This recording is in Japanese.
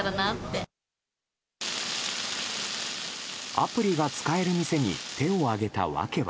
アプリが使える店に手を挙げたわけは。